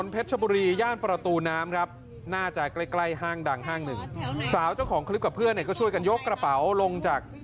เป็นประตูฝรั่ง